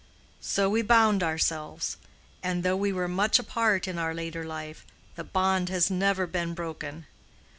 So we bound ourselves. And though we were much apart in our later life, the bond has never been broken.